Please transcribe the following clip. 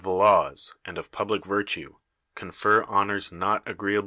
e laws, and of j)ubli(; virluc. confer honors not agrc<'a])!